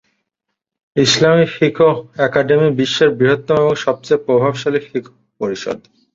ইসলামি ফিকহ একাডেমি বিশ্বের বৃহত্তম এবং সবচেয়ে প্রভাবশালী ফিকহ পরিষদ।